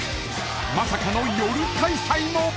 ［まさかの夜開催も！］